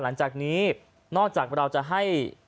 หลังจากนี้นอกจากเราจะให้